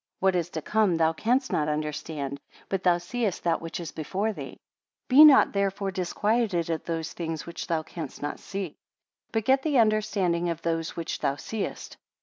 What is to come thou canst not understand, but thou seest that which is before thee. 20 Be not therefore disquieted at those things which thou canst not see; but get the understanding of those which thou seest.